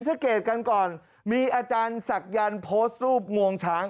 สะเกดกันก่อนมีอาจารย์ศักยันต์โพสต์รูปงวงช้าง